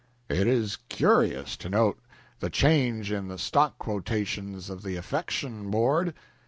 .. It is curious to note the change in the stock quotations of the Affection Board.